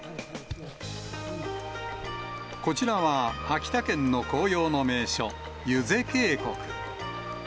こちらは秋田県の紅葉の名所、湯瀬渓谷。